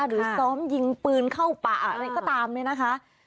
หรือซ้อมยิงปืนเข้าป่าอะไรก็ตามเนี่ยนะคะ